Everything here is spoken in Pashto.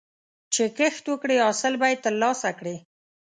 چې کښت وکړې، حاصل به یې ترلاسه کړې.